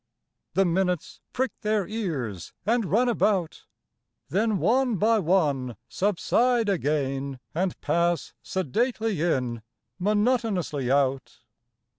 The minutes prick their ears and run about, Then one by one subside again and pass Sedately in, monotonously out.